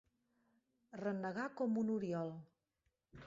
Renegar com un oriol.